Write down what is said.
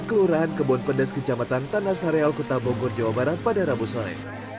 kelurahan kebon pedas kecamatan tanah sareal kota bogor jawa barat pada rabu sore